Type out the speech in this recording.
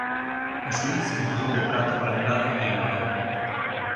O xuíz empurrou o prato para un lado e ignorouno.